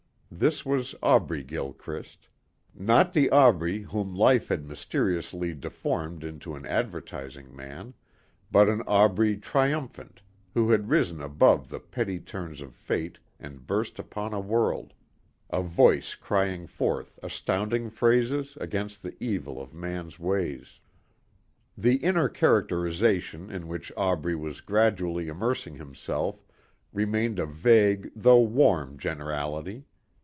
This was Aubrey Gilchrist. Not the Aubrey whom life had mysteriously deformed into an advertising man, but an Aubrey triumphant who had risen above the petty turns of Fate and burst upon a world a voice crying forth astounding phrases against the evil of man's ways. The inner characterization in which Aubrey was gradually immersing himself remained a vague though warm generality.